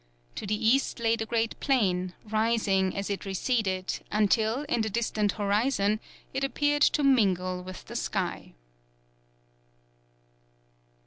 To the east lay the great plain, rising as it receded, until, in the distant horizon, it appeared to mingle with the sky."